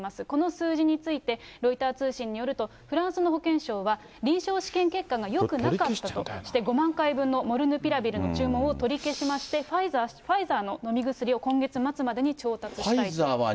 この数字について、ロイター通信によると、フランスの保健省は、臨床試験結果がよくなかったとして、５万回分のモルヌピラビルの注文を取り消しまして、ファイザーの飲み薬を今月末までに調達したいと。